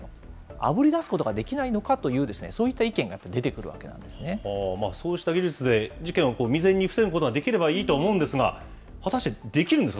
あぶり出すことができないのかという、そういった意見が出てくるそうした技術で事件を未然に防ぐことができればいいとは思うんですが、果たして、できるんですか？